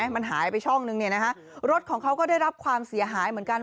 มันหายไปช่องนึงรถของเขาก็ได้รับความเสียหายเหมือนกัน